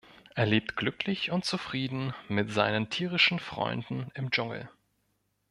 Er lebt glücklich und zufrieden mit seinen tierischen Freunden im Dschungel.